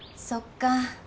そっか